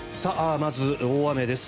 まず大雨です。